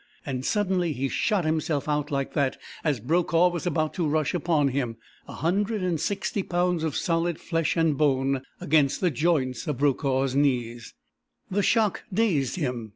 And suddenly he shot himself out like that, as Brokaw was about to rush upon him a hundred and sixty pounds of solid flesh and bone against the joints of Brokaw's knees! The shock dazed him.